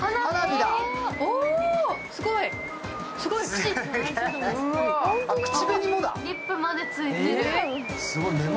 すごい口！